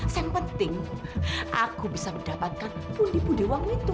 yang penting aku bisa mendapatkan bundi bundi uangmu itu